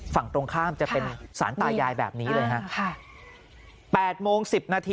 ฝั่งตรงข้ามจะเป็นสารตายายแบบนี้เลยค่ะ